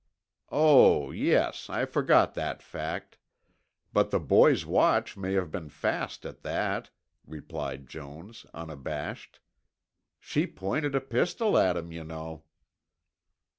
"Oh, yes. I forgot that fact. But the boy's watch may have been fast at that," replied Jones, unabashed. "She pointed a pistol at him, you know."